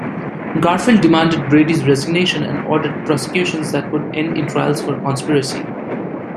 Garfield demanded Brady's resignation and ordered prosecutions that would end in trials for conspiracy.